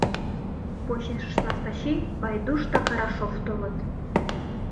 Почешышт Настачи, Пайдуш да Карашов толыт.